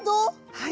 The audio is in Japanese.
はい。